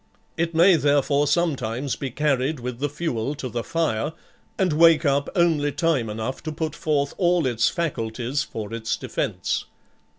It may therefore sometimes be carried with the fuel to the fire, and wake up only time enough to put forth all its faculties for its defence.